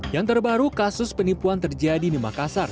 yang terbaru kasus penipuan terjadi di makassar